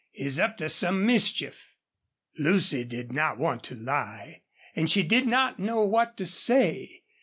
He's up to some mischief." Lucy did not want to lie and she did not know what to say.